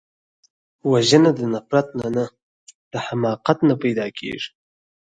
وژنه د نفرت نه، د حماقت نه پیدا کېږي